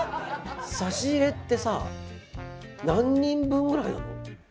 差し入れってさ何人分ぐらいなの？